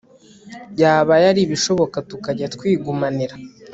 yabaye aribishoboka tukajya twigumanira